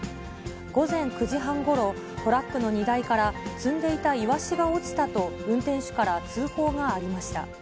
午前９時半ごろ、トラックの荷台から積んでいたイワシが落ちたと、運転手から通報がありました。